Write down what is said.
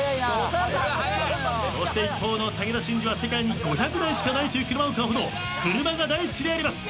そして一方の武田真治は世界に５００台しかないという車を買うほど車が大好きであります。